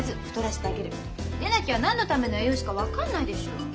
でなきゃ何のための栄養士か分かんないでしょう。